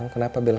kamu kenapa bella